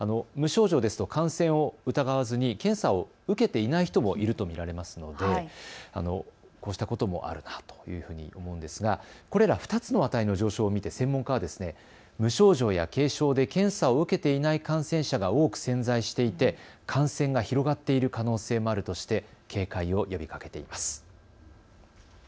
無症状ですと感染を疑わずに検査を受けていない人もいると見られますのでこうしたこともあるというふうに思うんですが、これら２つの値の上昇を見て専門家は無症状や軽症で検査を受けていない感染者が多く潜在していて感染が広がっている可能性もあるとして警戒を呼びかけています。